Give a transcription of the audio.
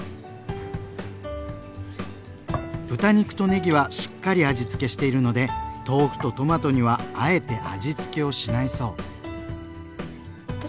豚肉とねぎはしっかり味つけしているので豆腐とトマトにはあえて味つけをしないそう。